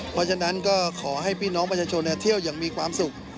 เพราะฉะนั้นก็ขอให้พี่น้องประชาชนเที่ยวอย่างมีความสุข